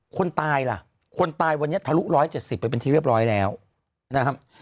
คนตายล่ะคนตายวันนี้ทะลุ๑๗๐ไปเป็นที่เรียบร้อยแล้วนะครับ